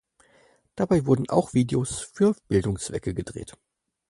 Dabei wurden auch Videos für Bildungszwecke gedreht.